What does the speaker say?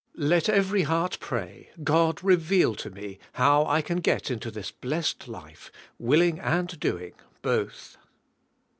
Let every heart pray, God reveal to me how I can get into this blessed life, willing and doing, both.